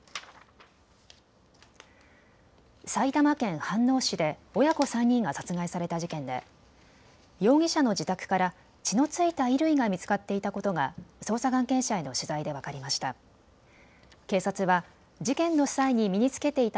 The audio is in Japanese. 埼玉県飯能市で親子３人が殺害された事件で容疑者の自宅から血の付いた衣類が見つかっていたことが捜査関係者への取材で分かりました。